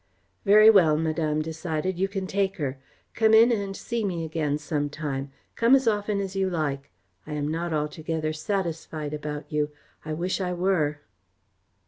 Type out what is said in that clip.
"Very well," Madame decided, "you can take her. Come in and see me again some time. Come as often as you like. I am not altogether satisfied about you. I wish I were."